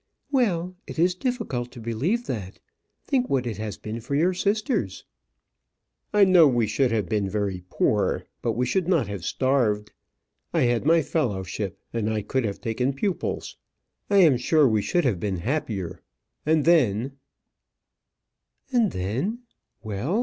"Well; it is difficult to believe that. Think what it has been for your sisters." "I know we should have been very poor, but we should not have starved. I had my fellowship, and I could have taken pupils. I am sure we should have been happier. And then " "And then well?"